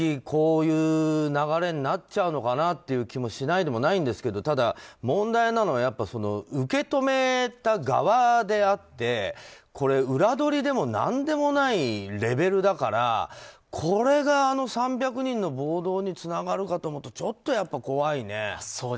こういう流れになっちゃうのかなっていう気もしないではないんですけどただ、問題なのは受け止めた側であって裏取りでも何でもないレベルだからこれが３００人の暴動につながるかと思うとちょっとやっぱり怖いね。